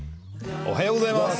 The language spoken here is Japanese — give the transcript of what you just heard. おはようございます。